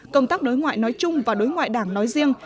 công tác đối ngoại nói chung và đối ngoại đảng nói riêng